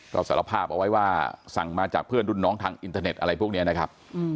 ก็สารภาพเอาไว้ว่าสั่งมาจากเพื่อนรุ่นน้องทางอินเทอร์เน็ตอะไรพวกนี้นะครับ